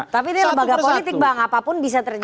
tapi ini lembaga politik bang apapun bisa terjadi